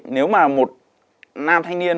nếu mà một nam thanh niên